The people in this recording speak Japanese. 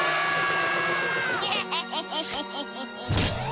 アハハハハ！